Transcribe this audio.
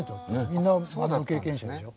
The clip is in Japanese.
みんなバンド経験者でしょ？